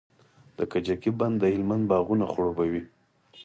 د کجکي بند د هلمند باغونه خړوبوي.